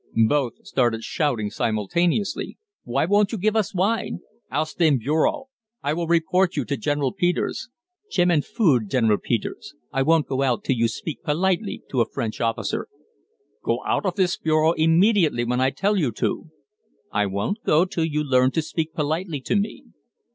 Both start shouting simultaneously: "Why won't you give us wine?" "Aus dem Bureau ... I will report you to General Peters." "Je m'en fous de General Peters I won't go out till you speak politely to a French officer." "Go out of this bureau immediately when I tell you to." "I won't go till you learn to speak politely to me."